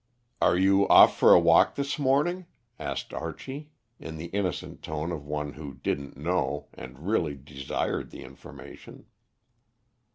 "Are you off for a walk this morning?" asked Archie, in the innocent tone of one who didn't know, and really desired the information.